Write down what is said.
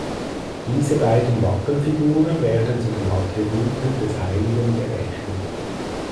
Diese beiden Wappenfiguren werden zu den Attributen des Heiligen gerechnet.